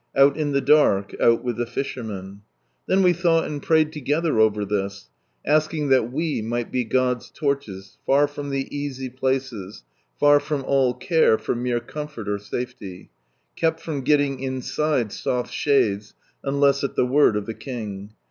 Out in the dark, out with the fishermen. Then we thought and prayed together over this, asking that we might be God's torches, far from the easy places, far from all care for mere connforl or safety. Kept from getting inside soft shades, (unless at the word of the King.)